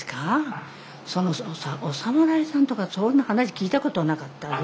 そもそもお侍さんとかそういう話聞いたことなかった。